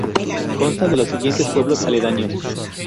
Consta de los siguientes pueblos aledaños.